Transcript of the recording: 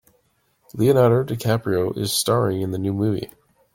Leonardo DiCaprio is staring in the new movie.